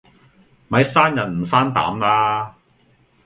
咪生人唔生膽啦